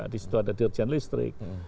di situ ada dirjen listrik